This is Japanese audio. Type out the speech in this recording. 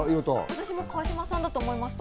私も川島さんだと思いました。